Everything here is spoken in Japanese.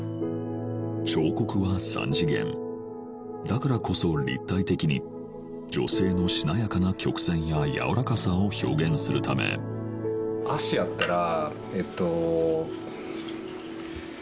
彫刻は三次元だからこそ立体的に女性のしなやかな曲線ややわらかさを表現するためようには意識しますね。